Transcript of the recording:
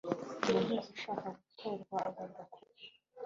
Umuntu wese ushaka gutorwa agomba kuba